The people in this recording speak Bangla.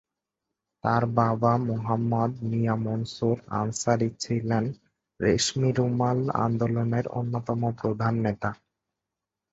তার বাবা মুহাম্মদ মিয়াঁ মনসুর আনসারি ছিলেন রেশমি রুমাল আন্দোলনের অন্যতম প্রধান নেতা।